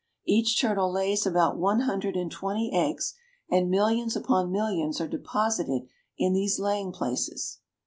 Each turtle lays about one hun dred and twenty eggs, and miUions upon millions are deposited in these laying places.